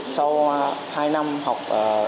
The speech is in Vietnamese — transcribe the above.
sau hai năm học